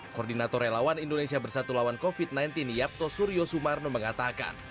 koordinator relawan indonesia bersatu lawan covid sembilan belas yapto suryo sumarno mengatakan